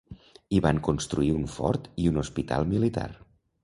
Hi van construir un fort i un hospital militar.